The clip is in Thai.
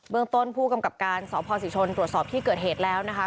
เมืองต้นผู้กำกับการสพศิชนตรวจสอบที่เกิดเหตุแล้วนะคะ